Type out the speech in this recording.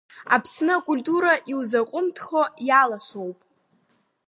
Аԥсны акультура иузаҟәымҭхо иаласоуп.